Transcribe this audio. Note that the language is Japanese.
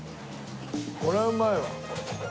これうまいわ。